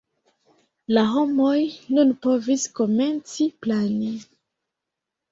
La homoj nun povis komenci plani.